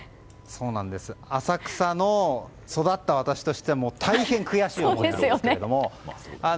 浅草で育った私としても大変、悔しい思いなんですけども。